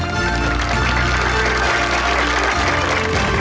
ตอนต่อไป